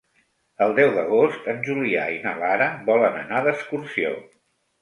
El deu d'agost en Julià i na Lara volen anar d'excursió.